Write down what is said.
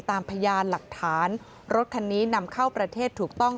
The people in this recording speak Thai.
พยานหลักฐานรถคันนี้นำเข้าประเทศถูกต้อง